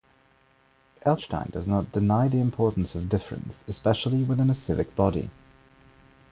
Elshtain does not deny the importance of difference, especially within a civic body.